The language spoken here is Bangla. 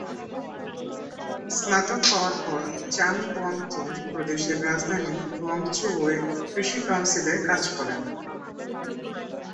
স্নাতক পাওয়ার পর চাং কুয়াংতুং প্রদেশের রাজধানী কুয়াংচৌ-এ কৃষি কাউন্সিলে কাজ করেন।